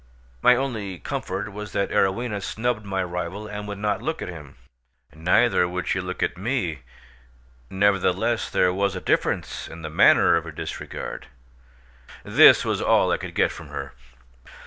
My only comfort was that Arowhena snubbed my rival and would not look at him. Neither would she look at me; nevertheless there was a difference in the manner of her disregard; this was all I could get from her.